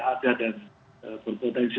ada dan berpotensi